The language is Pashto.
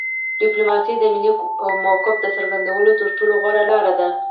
ډیپلوماسي د ملي موقف د څرګندولو تر ټولو غوره لار ده